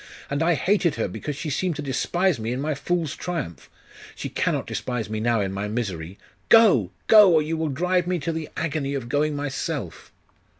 And I hated her, because she seemed to despise me in my fool's triumph! She cannot despise me now in my misery.... Go! Go! or you will drive me to the agony of going myself.